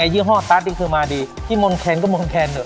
ยื่อห้อตั๊กนี่คือมาดีที่มนต์แค้นก็มนต์แค้น